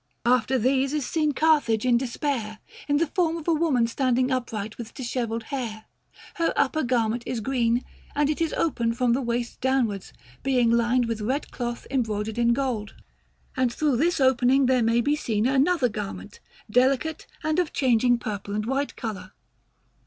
After these is seen Carthage in despair, in the form of a woman standing upright with dishevelled hair. Her upper garment is green, and it is open from the waist downwards, being lined with red cloth embroidered in gold; and through this opening there may be seen another garment, delicate and of changing purple and white colour.